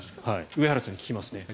上原さんに聞きますね。